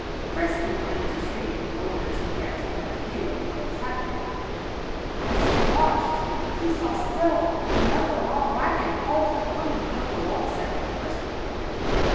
Frisky climbed a tree, in order to get a better view of what was happening. As he watched, he saw still another odd wagon hauled upon the field alongside the first one.